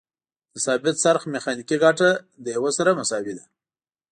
د ثابت څرخ میخانیکي ګټه د یو سره مساوي ده.